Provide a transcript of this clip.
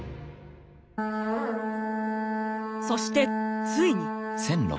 そしてついに。